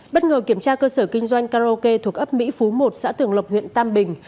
bất ngờ kiểm tra cơ sở kinh doanh karaoke thuộc ấp mỹ phú một xã tường lộc huyện tam bình